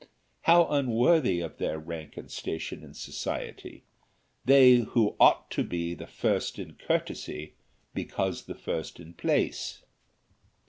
How unworthy of their rank and station in society! They who ought to be the first in courtesy, because the first in place.